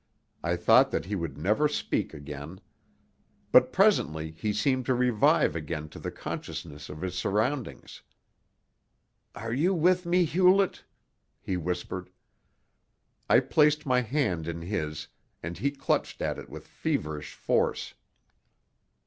I thought that he would never speak again. But presently he seemed to revive again to the consciousness of his surroundings. "Are you with me, Hewlett?" he whispered. I placed my hand in his, and he clutched at it with feverish force.